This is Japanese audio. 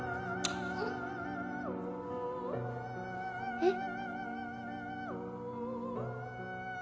えっ？